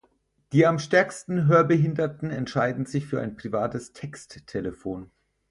Die am stärksten Hörbehinderten entscheiden sich für ein privates Texttelefon.